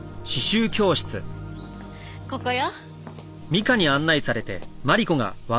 ここよ。